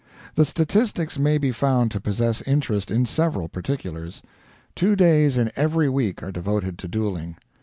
The statistics may be found to possess interest in several particulars. Two days in every week are devoted to dueling.